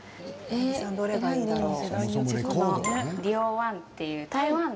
どれがいいだろう？